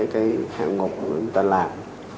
chúng ta làm